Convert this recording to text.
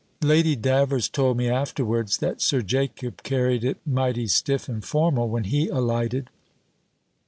Lady Davers told me afterwards, that Sir Jacob carried it mighty stiff and formal when he alighted.